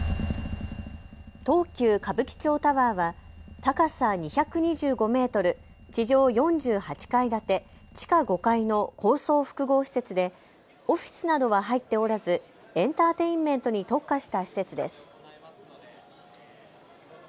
東急歌舞伎町タワーは高さ２２５メートル、地上４８階建て、地下５階の高層複合施設でオフィスなどは入っておらずエンターテインメントに特化した施設です。